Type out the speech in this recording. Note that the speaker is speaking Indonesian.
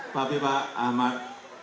pak bipak ahmad